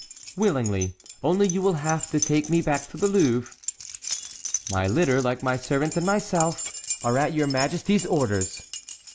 "Willingly, only you will have to take me back to the Louvre." "My litter, like my servants and myself, are at your majesty's orders."